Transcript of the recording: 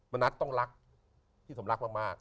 นัทต้องรักพี่สมรักมาก